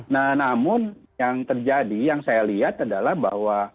nah namun yang terjadi yang saya lihat adalah bahwa